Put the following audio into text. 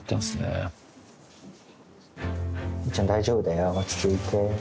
むぅちゃん大丈夫だよ落ち着いて。